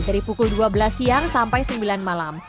dari pukul dua belas siang sampai sembilan malam